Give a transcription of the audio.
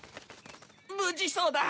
無事そうだ。